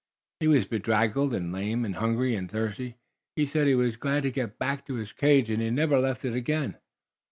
He was bedraggled and lame and hungry and thirsty! He said he was glad to get back to his cage, and he never left it again."